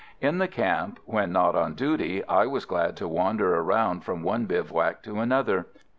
In the camp, when not on duty, I was glad to wander around from one bivouac to another.